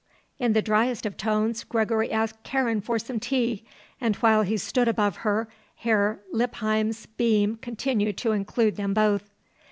In the driest of tones Gregory asked Karen for some tea, and while he stood above her Herr Lippheim's beam continued to include them both.